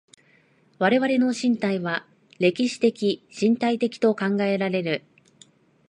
我々の身体は歴史的身体的と考えられる。